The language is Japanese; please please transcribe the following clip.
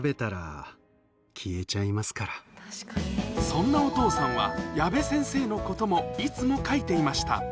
うーん、そんなお父さんは、矢部先生のこともいつも描いていました。